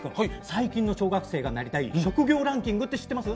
最近の小学生がなりたい職業ランキングって知ってます？